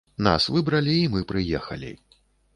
Нас выбралі, і мы прыехалі.